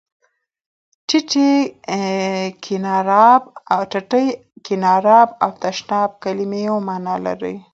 ټټۍ، کېناراب او تشناب کلمې یوه معنا لري.